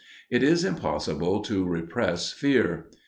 It is impossible to repress fear.